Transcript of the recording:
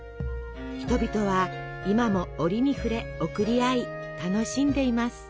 人々は今も折に触れ贈り合い楽しんでいます。